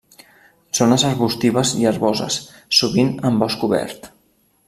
Zones arbustives i herboses, sovint en bosc obert.